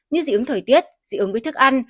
như dị ứng thời tiết dị ứng với thức ăn